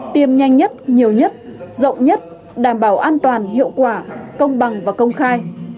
tiêm nhanh nhất nhiều nhất rộng nhất đảm bảo an toàn hiệu quả công bằng và công khai